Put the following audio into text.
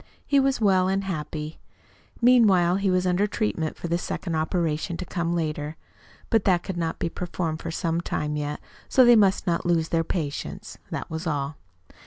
He was well and happy. Meanwhile he was under treatment for the second operation to come later. But that could not be performed for some time yet, so they must not lose their patience. That was all.